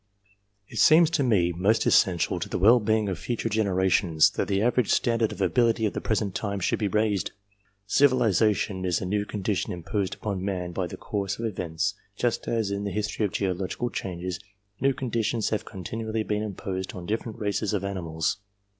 It seems to me most essential to the well being of future ^/generations, that the average standard of ability of the present time should be raised. Civilization is a new con dition imposed upon man by the course of events, just as in the history of geological changes new conditions have continually been imposed on different races of animals.